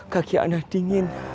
kaki anak dingin